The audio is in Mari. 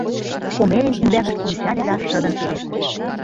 Комелин ӱмбакышт ончале да шыдын пелештыш: